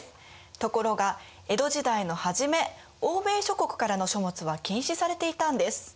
ところが江戸時代の初め欧米諸国からの書物は禁止されていたんです。